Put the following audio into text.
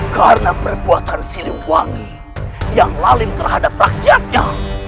karena perbuatan siliwangi yang lalim terhadap rakyatnya